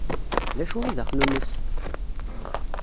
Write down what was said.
D acu i d axnunnes?